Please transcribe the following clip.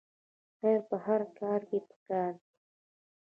خیر په هر کار کې پکار دی